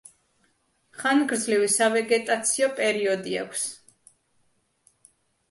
ხანგრძლივი სავეგეტაციო პერიოდი აქვს.